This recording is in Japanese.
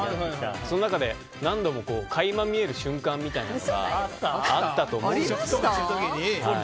その中で、何度も垣間見える瞬間みたいなのがあったと思うんですよ。